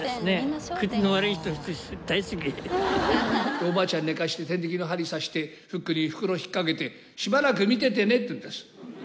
おばあちゃん寝かせて点滴の針刺してフックに袋引っかけてしばらく見ててねって言うんです。